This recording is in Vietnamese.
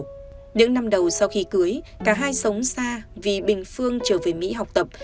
trong những năm đầu sau khi cưới cả hai sống xa vì bình phương trở về mỹ học tập